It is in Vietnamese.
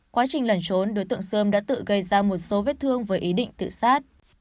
quá trình lẩn trốn đối tượng sơn đã tự gây ra một số vết thương với ý định tự sát